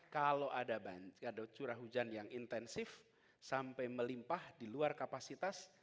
kalau ada curah hujan yang intensif sampai melimpah di luar kapasitas